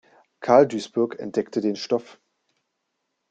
Carl Duisberg entdeckte den Stoff.